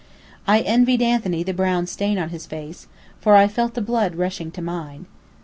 I envied Anthony the brown stain on his face, for I felt the blood rushing to mine.